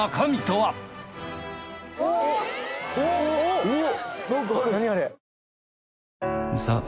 おっ！